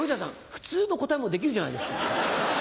普通の答えもできるじゃないですか。